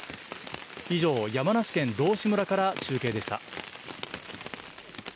以上、山梨県道志村から中継でした。